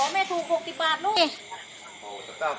อ๋อไม่ถูก๖๐บาทลูก